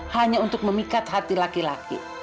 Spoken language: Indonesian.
hanya untuk memikat hati laki laki